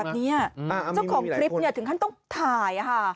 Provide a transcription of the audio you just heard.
เจ้าของคลิปถึงขั้นต้องถ่าย